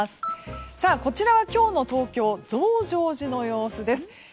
こちらは今日の東京増上寺の様子です。